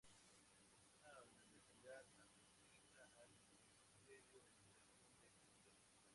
Es una universidad adscrita al Ministerio de Educación de Colombia.